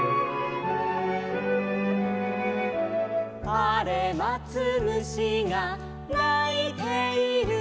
「あれまつ虫がないている」